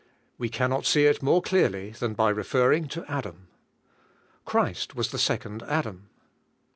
We can not see it more clealy than by referring to Adam. Christ was the second Adam.